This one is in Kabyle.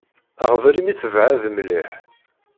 Aɣbel imi tebɛed mliḥ.